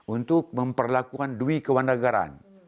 untuk memperlakukan duit kewanagaran